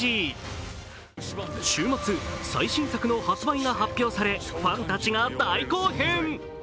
週末、最新作の発売が発表されファンたちが大興奮。